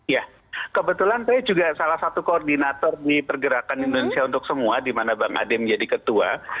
ya kebetulan saya juga salah satu koordinator di pergerakan indonesia untuk semua di mana bang ade menjadi ketua